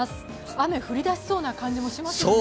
雨、降り出しそうな感じもしますけどね。